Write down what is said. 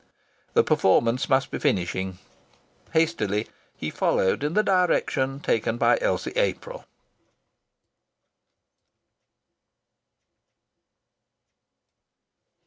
The performance must be finishing. Hastily he followed in the direction taken by Elsie April.